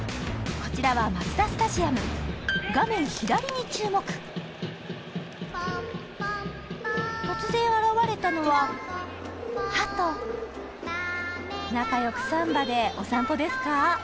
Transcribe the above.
こちらはマツダスタジアム画面左に注目突然現れたのは仲良く３羽でお散歩ですか？